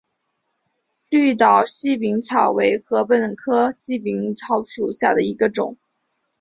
绿岛细柄草为禾本科细柄草属下的一个种。